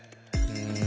うん。